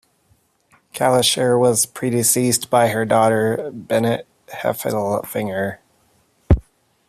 Calisher was predeceased by her daughter, Bennet Heffelfinger.